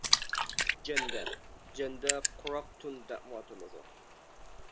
جەندە : جەندە-قۇراق تون دەپمۇ ئاتىلىدۇ.